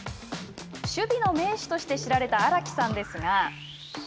守備の名手として知られた荒木さんですが。